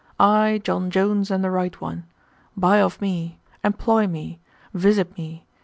I, John Jones, am the right one. Buy of me. Employ me. Visit me.